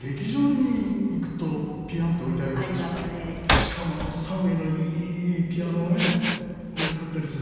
しかもあのスタインウェイのいいピアノをね置いてあったりする。